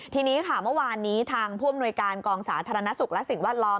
ทีนี้ค่ะเมื่อวานนี้ทางผู้อำนวยการกองสาธารณสุขและสิ่งแวดล้อม